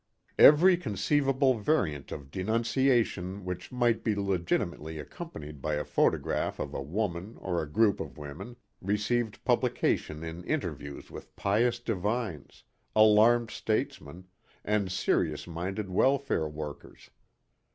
Every conceivable variant of denunciation which might be legitimately accompanied by a photograph of a woman or a group of women, received publication in interviews with pious divines, alarmed statesmen and serious minded welfare workers.